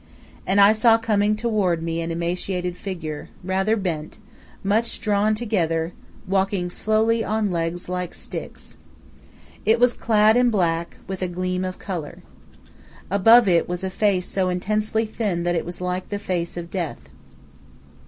And I saw coming toward me an emaciated figure, rather bent, much drawn together, walking slowly on legs like sticks. It was clad in black, with a gleam of color. Above it was a face so intensely thin that it was like the face of death.